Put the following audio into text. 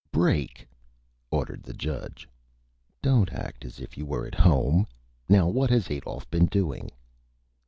"Break!" ordered the Judge. "Don't act as if you were at Home. Now, what has Adolph been doing?"